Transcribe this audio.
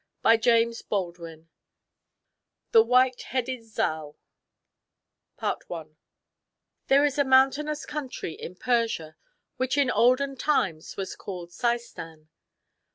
^Holculm fri»>BC THE WHITE HEADED ZAL There is a mountainous country in Persia which in olden times was called Seistan.